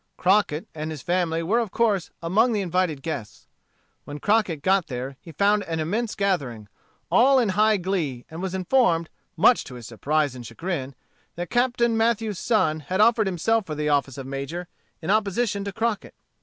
Crockett and his family were of course among the invited guests. When Crockett got there he found an immense gathering, all in high glee, and was informed, much to his surprise and chagrin, that Captain Mathews's son had offered himself for the office of major, in opposition to Crockett.